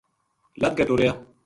لد کے ٹُریا